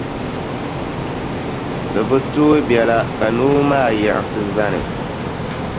Di bi tooi biɛla ka noo maa yiɣisi zani.